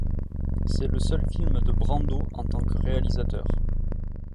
C'est le seul film de Brando en tant que réalisateur.